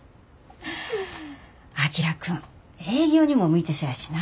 章君営業にも向いてそうやしな。